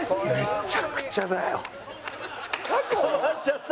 「捕まっちゃった」